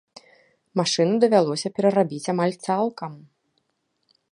Машыну давялося перарабіць амаль цалкам.